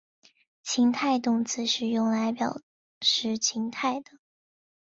情态动词是用来表示情态的。